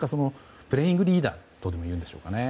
プレイングリーダーとでも言うんですかね。